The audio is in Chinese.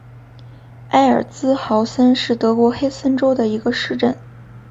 埃尔茨豪森是德国黑森州的一个市镇。